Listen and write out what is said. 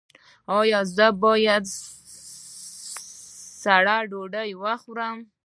ایا زه باید سړه ډوډۍ وخورم؟